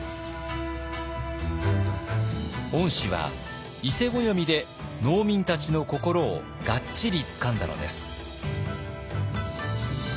御師は伊勢暦で農民たちの心をがっちりつかんだのです。